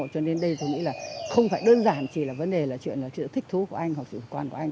cho nên đây tôi nghĩ là không phải đơn giản chỉ là vấn đề là chuyện thích thú của anh hoặc sự quản của anh